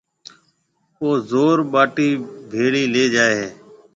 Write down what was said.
او زور ٻاٽِي ڀيڙِي لي جائي هيَ۔